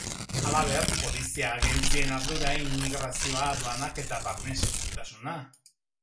Halaber, polizia agentzien ardura, immigrazioa, aduanak eta barne segurtasuna.